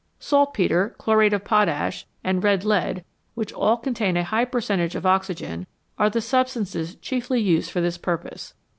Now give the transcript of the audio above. Saltpetre, chlorate of potash, and red lead, which all contain a high percentage of oxygen, are the substances chiefly used for this purpose.